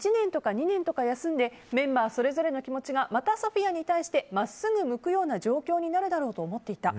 １年とか２年休んでメンバーそれぞれの気持ちがまたＳＯＰＨＩＡに対して真っすぐ向くような状況になるだろうと思っていた。